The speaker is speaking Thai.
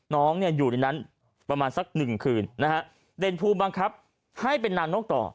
น้องเนี่ยอยู่ในนั้นประมาณสักหนึ่งคืนนะฮะเด่นภูมิบังคับให้เป็นนางนกต่อ